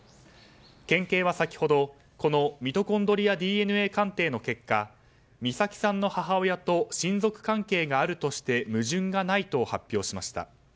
県警は先ほどこのミトコンドリアＤＮＡ鑑定の結果美咲さんの母親と親族関係があるとして矛盾がないと発表しました。